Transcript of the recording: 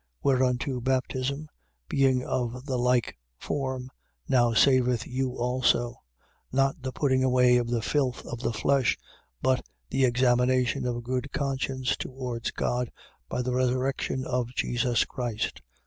3:21. Whereunto baptism, being of the like form, now saveth you also: not the putting away of the filth of the flesh, but, the examination of a good conscience towards God by the resurrection of Jesus Christ.